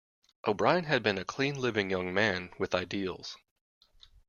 O'Brien had been a clean living young man with ideals.